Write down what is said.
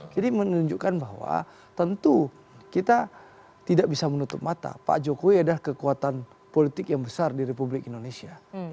jadi menunjukkan bahwa tentu kita tidak bisa menutup mata pak jokowi adalah kekuatan politik yang besar di republik indonesia